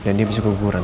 dan dia bisa keguguran